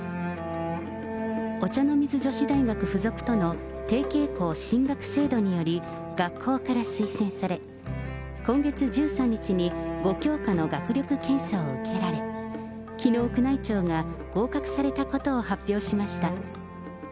お茶の水女子大学附属との提携校進学制度により、学校から推薦され、今月１３日に５教科の学力検査を受けられ、きのう宮内庁が合格されたことを発表しました。